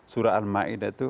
surah al maida itu